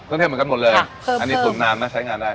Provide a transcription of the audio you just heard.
เครื่องเทศเหมือนกันหมดเลยอันนี้ตุ๋นน้ำใช้งานได้